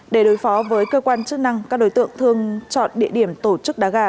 để đối phó với cơ quan chức năng các đối tượng thường chọn địa điểm tổ chức đá gà